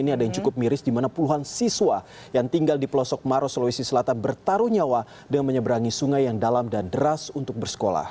ini ada yang cukup miris di mana puluhan siswa yang tinggal di pelosok maros sulawesi selatan bertaruh nyawa dengan menyeberangi sungai yang dalam dan deras untuk bersekolah